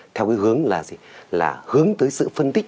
theo cái hướng là gì là hướng tới sự phân tích